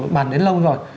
bàn đến lâu rồi